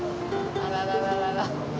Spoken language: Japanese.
あららららら。